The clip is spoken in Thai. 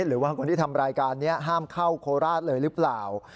หรือว่าคนที่ทำรายการนี้ห้ามเข้าโคราชเลยหรือเปล่า